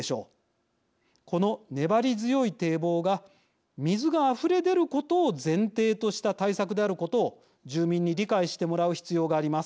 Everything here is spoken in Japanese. この粘り強い堤防が水があふれ出ることを前提とした対策であることを住民に理解してもらう必要があります。